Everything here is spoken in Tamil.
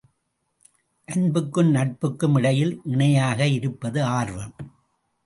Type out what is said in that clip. அன்புக்கும் நட்புக்கும் இடையில் இணையாக இருப்பது ஆர்வம்.